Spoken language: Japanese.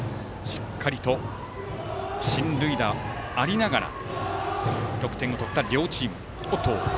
しっかり進塁打がありつつ得点を取った両チーム。